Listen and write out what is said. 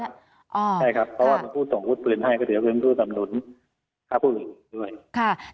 ใช่ครับเพราะว่าเป็นผู้ส่งอุดปืนให้ก็เป็นผู้สำนุนค่าผู้อื่นด้วย